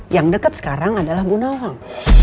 yang dekat sekarang adalah bu nawang